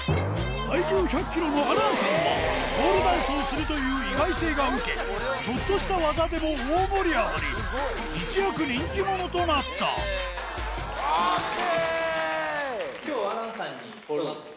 体重１００ｋｇのアランさんはポールダンスをするという意外性がウケちょっとした技でも大盛り上がり一躍人気者となったＯＫ！